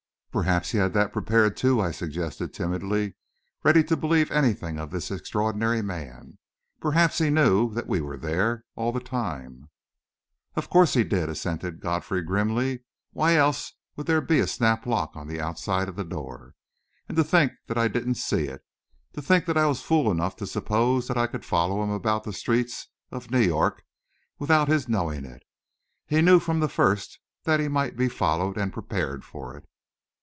"Perhaps he had that prepared, too," I suggested timidly, ready to believe anything of this extraordinary man. "Perhaps he knew that we were there, all the time." "Of course he did," assented Godfrey grimly. "Why else would there be a snap lock on the outside of the door? And to think I didn't see it! To think that I was fool enough to suppose that I could follow him about the streets of New York without his knowing it! He knew from the first that he might be followed, and prepared for it!"